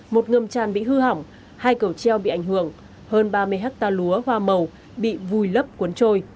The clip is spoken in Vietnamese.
một ngâm tràn bị hư hỏng hai cầu treo bị ảnh hưởng hơn ba mươi hectare lúa hoa màu bị vùi lấp cuốn trôi